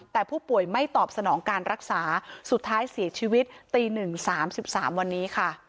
แต่ผู้ป่วยไม่ตอบสนองการรักษาสุดท้ายเสียชีวิตตี๑๓๓วันนี้ค่ะ